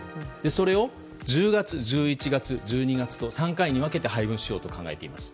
それを１０月、１１月１２月と３回に分けて配分しようと考えています。